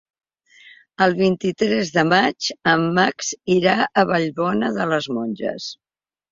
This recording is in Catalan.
El vint-i-tres de maig en Max irà a Vallbona de les Monges.